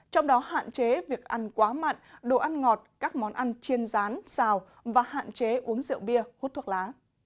trong đó hạn chế việc ăn quá mặn đồ ăn ngọt các món ăn chiên rán xào và hạn chế uống rượu bia hút thuốc lá